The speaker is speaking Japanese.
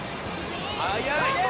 速い。